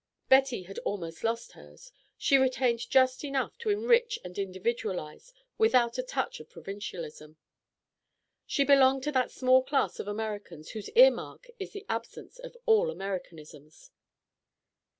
Betty had almost lost hers; she retained just enough to enrich and individualize without a touch of provincialism. She belonged to that small class of Americans whose ear mark is the absence of all Americanisms.